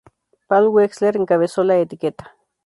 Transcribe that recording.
Paul Wexler encabezó la etiqueta.